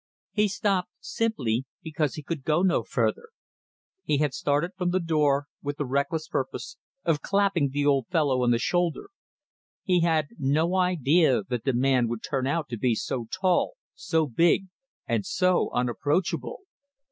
He stopped simply because he could go no further. He had started from the door with the reckless purpose of clapping the old fellow on the shoulder. He had no idea that the man would turn out to be so tall, so big and so unapproachable.